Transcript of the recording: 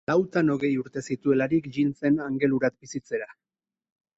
Lautan hogei urte zituelarik jin zen Angelurat bizitzera.